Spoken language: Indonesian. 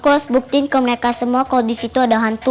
gue harus buktiin ke mereka semua kalau di situ ada hantu